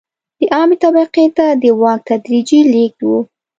د عامې طبقې ته د واک تدریجي لېږد و.